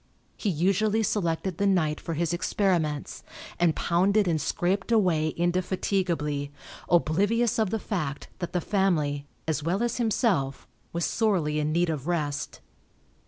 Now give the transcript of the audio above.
He usually selected the night for his experiments, and pounded and scraped away indefatigably, oblivious of the fact that the family, as well as himself, was sorely in need of rest.